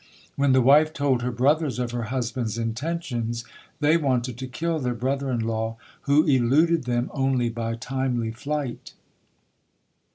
When the wife told her brothers of her husband's intentions, they wanted to kill their brother in law, who eluded them only by timely flight.